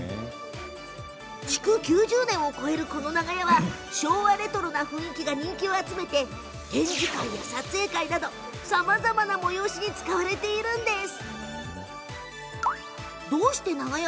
築９０年を超える、この長屋は昭和レトロな雰囲気が人気を集め展示会や撮影会などさまざまな催しに使われているんです。